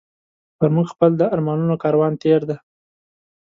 پر موږ خپل د ارمانونو کاروان تېر دی